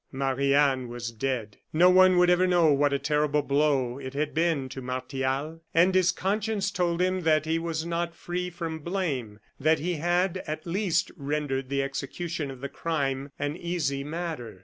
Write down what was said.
Marie Anne was dead. No one would ever know what a terrible blow it had been to Martial; and his conscience told him that he was not free from blame; that he had, at least, rendered the execution of the crime an easy matter.